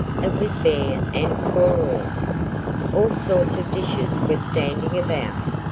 It was bare and forlorn. All sorts of dishes were standing about.